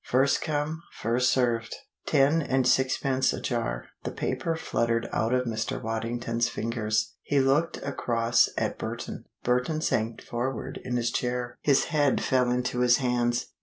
First come, first served. Ten and sixpence a jar. The paper fluttered out of Mr. Waddington's fingers. He looked across at Burton. Burton sank forward in his chair, his head fell into his hands.